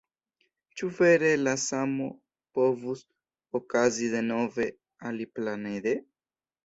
Ĉu vere la samo povus okazi denove, aliplanede?